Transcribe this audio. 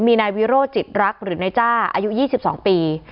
มีนายวิโรจิตรักหรือนายจ้าอายุ๒๒ปี